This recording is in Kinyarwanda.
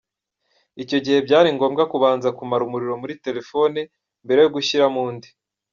Icyo gihe byari ngombwa kubanza kumara umuriro muri telefoni mbere yo gusyiramo undi.